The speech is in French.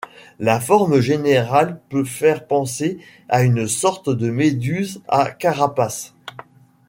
La forme générale peut faire penser à une sorte de méduse à carapace.